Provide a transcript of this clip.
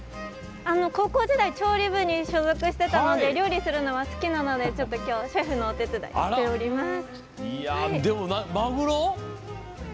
高校時代、調理部に所属していたので料理するのは好きなので、今日シェフのお手伝いをしています。